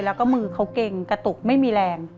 ยังมือเขาเก่งกระตุกไม่มีแรง